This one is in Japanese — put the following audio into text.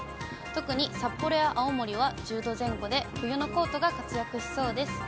特に札幌や青森は１０度前後で、冬のコートが活躍しそうです。